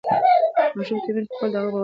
ماشوم ته مینه ورکول د هغه باور زیاتوي.